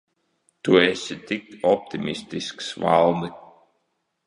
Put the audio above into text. Tu esi tik optimistisks, Valdi.